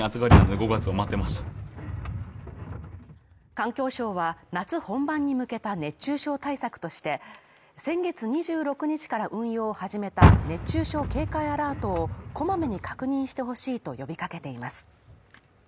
環境省は夏本番に向けた熱中症対策として、先月２６日から運用を始めた熱中症警戒アラートをこまめに確認してほしいと呼びかけています。